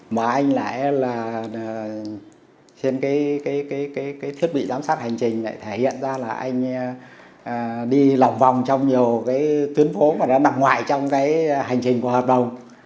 mà anh lại là trên cái thiết bị giám sát hành trình lại thể hiện ra là anh đi lòng vòng trong nhiều cái tuyến phố mà nó nằm ngoài trong cái hành trình của hợp đồng